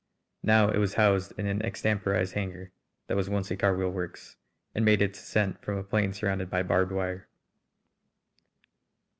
Now it was housed in an extemporised hangar that was once a carwheel works, and made its ascent from a plain surrounded by barbed wire.